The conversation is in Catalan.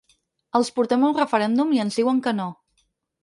Els portem un referèndum i ens diuen que no.